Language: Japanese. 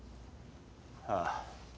ああ。